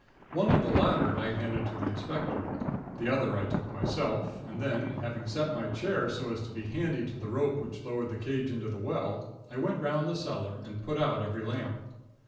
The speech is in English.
One of the latter, I handed to the inspector; the other I took myself, and then, having set my chair so as to be handy to the rope which lowered the cage into the well, I went 'round the cellar and put out every lamp.